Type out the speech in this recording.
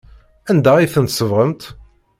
Anda ay ten-tsebɣemt?